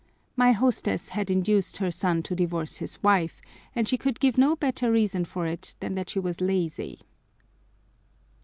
My hostess had induced her son to divorce his wife, and she could give no better reason for it than that she was lazy.